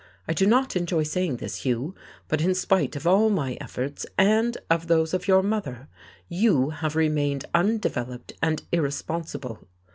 I do not enjoy saying this, Hugh, but in spite of all my efforts and of those of your mother, you have remained undeveloped and irresponsible.